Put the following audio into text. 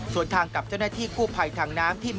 ส่วนทางกับเจ้าหน้าที่กู้ภัยทางน้ำที่๑